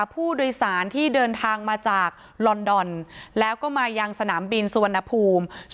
ผู้โดยสารที่เดินทางมาจากลอนดอนแล้วก็มายังสนามบินสุวรรณภูมิ